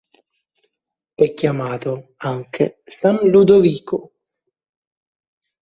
È chiamato anche "san Ludovico".